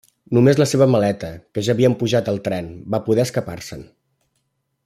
Només la seva maleta, que ja havien pujat al tren, va poder escapar-se'n.